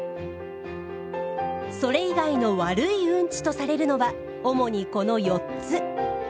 それ以外の悪いうんちとされるのは主にこの４つ。